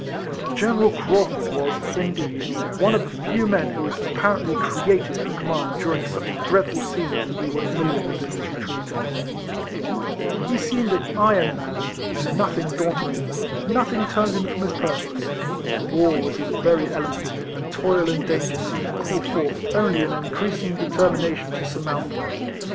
General Craufurd was, indeed, one of the few men who was apparently created for com mand during such dreadful scenes as we were familiar with in this retreat. Pie KIFLEIHAN HAERIS. 207 seemed an iron man ; nothing daunted him — nothing turned him from his purpose. War was his very element, and toil and danger seemed to call forth only an increasing determination to surmount them.